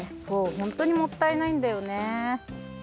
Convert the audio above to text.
そうほんとにもったいないんだよね。